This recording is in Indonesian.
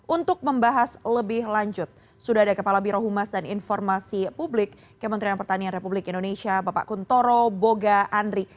untuk membahas lebih lanjut sudah ada kepala birohumas dan informasi publik kementerian pertanian republik indonesia bapak kuntoro boga andri